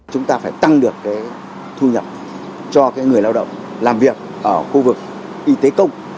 chúng ta phải tăng được thu nhập cho người lao động làm việc ở khu vực y tế công